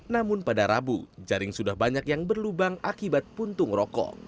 namun pada rabu jaring sudah banyak yang berlubang akibat puntung rokok